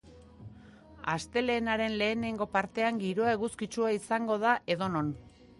Astelehenaren lehenengo partean giroa eguzkitsua izango da edonon.